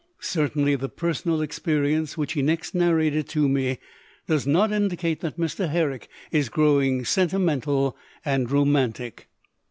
Certainly the personal experience which he next narrated to me does not indicate that Mr. Herrick is growing sentimental and romantic.